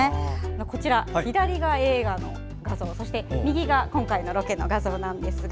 こちら、左が映画の画像右が今回のロケの画像です。